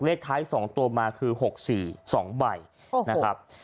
เลขท้าย๒ตัวมาคือ๖๔๒ใบนะครับ